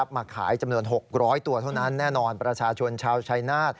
มาขายจำนวน๖๐๐ตัวแน่นอนประชาชนชาวชัยนาศ